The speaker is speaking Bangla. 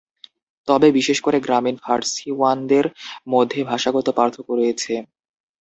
তবে, বিশেষ করে গ্রামীণ ফার্সিওয়ানদের মধ্যে ভাষাগত পার্থক্য রয়েছে।